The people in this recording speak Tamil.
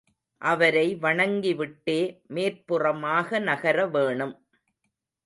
அவரை வணங்கிவிட்டே மேற்புறமாக நகரவேணும்.